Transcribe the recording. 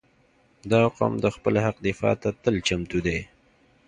• دا قوم د خپل حق دفاع ته تل چمتو دی.